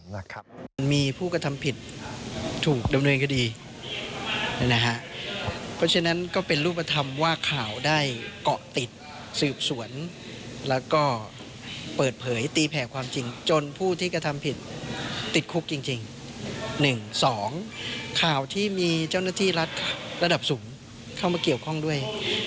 และนี่เจ้าหน้าที่รัฐระดับสูงเข้ามาเกี่ยวข้องด้วย